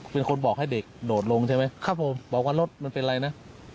เป็นคนบอกให้เด็กโดดลงใช่ไหมครับผมบอกว่ารถมันเป็นอะไรนะ